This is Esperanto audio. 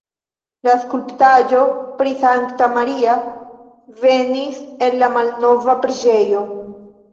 La skulptaĵo pri Sankta Maria venis el la malnova preĝejo.